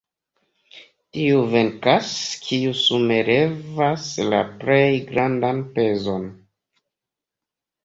Tiu venkas, kiu sume levas la plej grandan pezon.